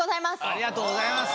ありがとうございます。